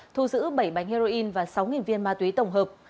thu giữ bảy bánh heroin và sáu viên ma túy tổng hợp